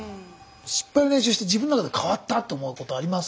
失敗の練習して自分の中で変わったと思うことあります？